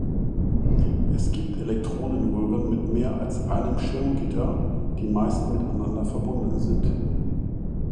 Es gibt Elektronenröhren mit mehr als einem Schirmgitter, die meist miteinander verbunden sind.